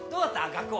学校